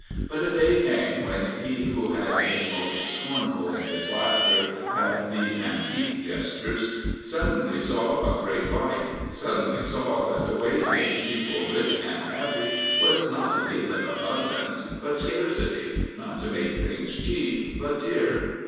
But a day came when he who had been most scornful in his laughter at these antique jesters, suddenly saw a great light, suddenly saw that the way to make the people rich and happy was not to give them abundance, but scarcity, not to make things cheap, but dear.